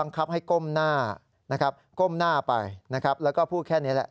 ก้มหน้าไปนะครับแล้วก็พูดแค่นี้แหละ